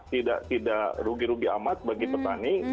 tidak rugi rugi amat bagi petani